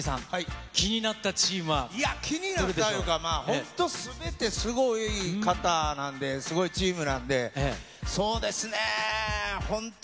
いや、気になったいうか、本当、すべてすごい方なんで、すごいチームなんで、そうですね、本当に。